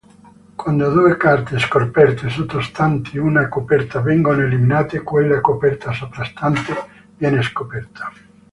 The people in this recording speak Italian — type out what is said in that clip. Quando due carte scoperte sottostanti una coperta vengono eliminate, quella coperta soprastante viene scoperta.